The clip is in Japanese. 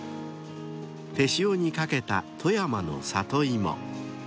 ［手塩にかけた富山のサトイモ］